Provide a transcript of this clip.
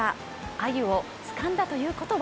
鮎をつかんだということは？